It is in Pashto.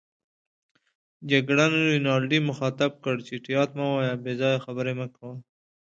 جګړن رینالډي مخاطب کړ: چټیات مه وایه، بې ځایه خبرې مه کوه.